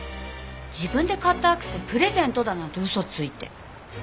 自分で買ったアクセプレゼントだなんて嘘ついて。